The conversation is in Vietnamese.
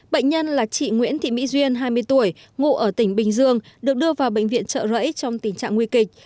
bệnh nhân là chị nguyễn thị mỹ duyên hai mươi tuổi ngụ ở tỉnh bình dương được đưa vào bệnh viện trợ rẫy trong tình trạng nguy kịch